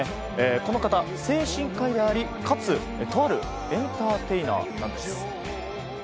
この方、精神科医でありかつとあるエンターテイナーなんです。